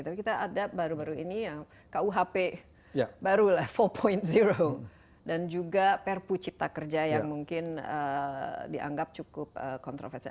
tapi kita ada baru baru ini yang kuhp baru level empat dan juga perpu cipta kerja yang mungkin dianggap cukup kontroversial